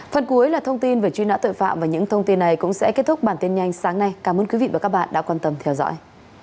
phần cuối là thông tin về truy nã tội phạm và những thông tin này cũng sẽ kết thúc bản tin nhanh sáng nay cảm ơn quý vị và các bạn đã quan tâm theo dõi